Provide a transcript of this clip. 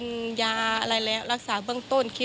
เราจะไปแบบพูดบอกหมอยงั้นงี้